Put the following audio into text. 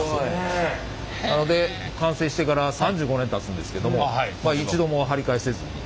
なので完成してから３５年たつんですけども一度も張り替えせずに。